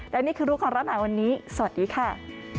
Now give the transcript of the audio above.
และนี่คือรูปของเราในวันนี้สวัสดีค่ะ